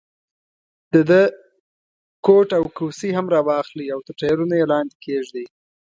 د ده کوټ او کوسۍ هم را واخلئ او تر ټایرونو یې لاندې کېږدئ.